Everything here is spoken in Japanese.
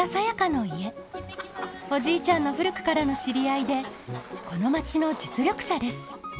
おじいちゃんの古くからの知り合いでこの町の実力者です。